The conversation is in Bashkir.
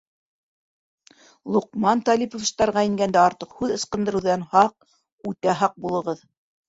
Лоҡман Талиповичтарға ингәндә артыҡ һүҙ ысҡындырыуҙан һаҡ, үтә һаҡ булығыҙ.